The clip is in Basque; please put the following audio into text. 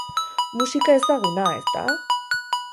Musika ezaguna, ezta?